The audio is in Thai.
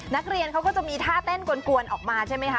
นักเรียนเขาก็จะมีท่าเต้นกวนออกมาใช่ไหมคะ